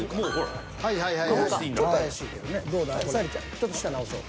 ちょっと下直そう。